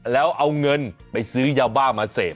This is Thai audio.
แล้วเอาเงินไปซื้อยาบ้ามาเสพ